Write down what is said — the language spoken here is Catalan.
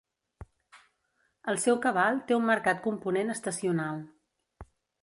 El seu cabal té un marcat component estacional.